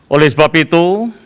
oleh sebab itu